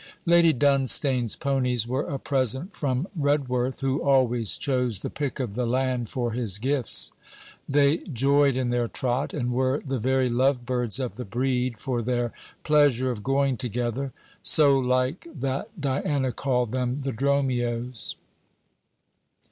Lady Dunstane's ponies were a present from Redworth, who always chose the pick of the land for his gifts. They joyed in their trot, and were the very love birds of the breed for their pleasure of going together, so like that Diana called them the Dromios.